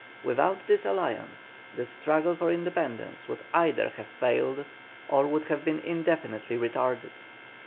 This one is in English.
Without this alliance the struggle for independence would either have failed or would have been indefinitely retarded.